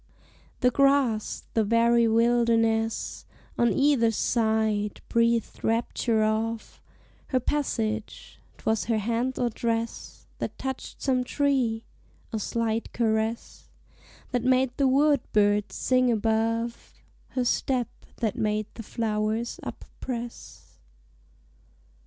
The grass, the very wilderness On either side, breathed rapture of Her passage: 'twas her hand or dress That touched some tree a slight caress That made the wood birds sing above; Her step that made the flowers up press.